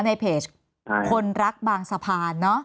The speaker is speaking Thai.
ในเพจคนรักบางสะพาน